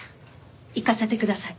行かせてください。